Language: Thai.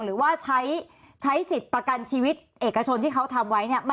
หรือว่าใช้สิทธิ์ประกันชีวิตเอกชนที่เขาทำไว้เนี่ย